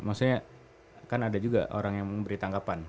maksudnya kan ada juga orang yang memberi tanggapan